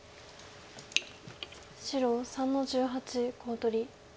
白３の十八コウ取り。